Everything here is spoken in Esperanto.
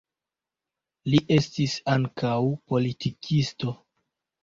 Li estis ankaŭ politikisto.